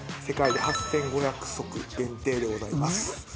世界で８，５００足限定でございます。